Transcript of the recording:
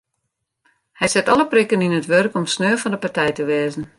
Hy set alle prikken yn it wurk om sneon fan de partij te wêze.